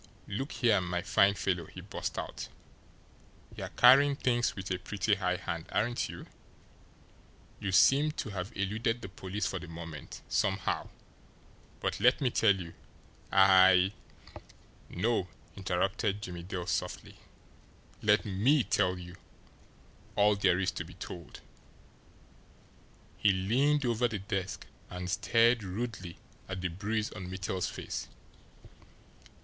"Look here, my fine fellow," he burst out, "you're carrying things with a pretty high hand, aren't you? You seem to have eluded the police for the moment, somehow, but let me tell you I " "No," interrupted Jimmie Dale softly, "let ME tell you all there is to be told." He leaned over the desk and stared rudely at the bruise on Mittel's face.